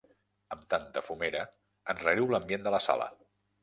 Amb tanta fumera enrariu l'ambient de la sala.